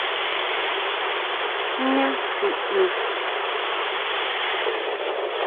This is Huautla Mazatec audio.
¿Jñá tiʼin?